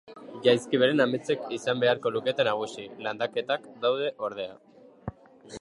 Jaizkibelen ametzek izan beharko lukete nagusi. Landaketak daude, ordea.